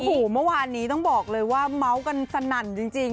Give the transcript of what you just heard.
โอ้โหเมื่อวานนี้ต้องบอกเลยว่าเมาส์กันสนั่นจริง